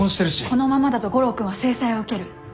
このままだと悟郎君は制裁を受ける。